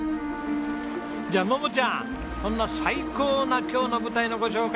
じゃあ桃ちゃんそんな最高な今日の舞台のご紹介